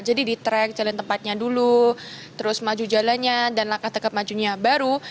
jadi di track jalan tempatnya dulu terus maju jalannya dan langkah langkah majunya baru